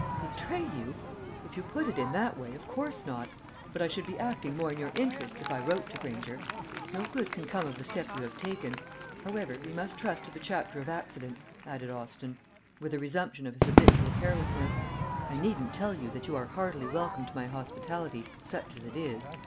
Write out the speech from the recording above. "Betray you! If you put it in that way, of course not. But I should be acting more in your interests if I wrote to Granger. No good can come of the step you have taken. However, we must trust to the chapter of accidents," added Austin, with a resumption of his habitual carelessness. "I needn't tell you that you are heartily welcome to my hospitality, such as it is.